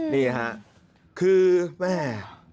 นี่ค่ะคือ